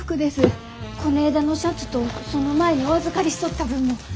こねえだのシャツとその前にお預かりしとった分も。